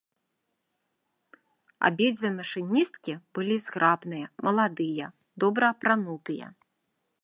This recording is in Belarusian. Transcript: Абедзве машыністкі былі зграбныя, маладыя, добра апранутыя.